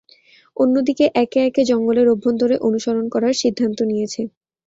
অন্যদিকে একে একে জঙ্গলের অভ্যন্তরে অনুসরণ করার সিদ্ধান্ত নিয়েছে।